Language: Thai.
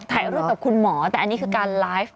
ถ่ายรูปกับคุณหมอแต่อันนี้คือการไลฟ์